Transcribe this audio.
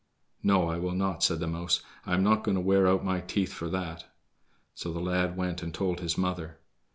"No, I will not," said the mouse; "I am not going to wear out my teeth for that." So the lad went and told his mother.